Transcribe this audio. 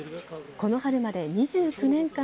この春まで２９年間